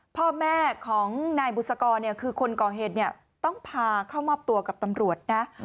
พ่อแม่ของนายบุษกรคือคนก่อเหตุเนี่ยต้องพาเข้ามอบตัวกับตำรวจนะ